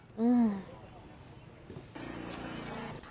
อืม